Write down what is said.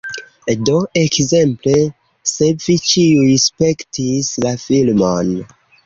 Do, ekzemple, se vi ĉiuj spektis la filmon